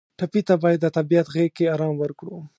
ټپي ته باید د طبیعت غېږ کې آرام ورکړو.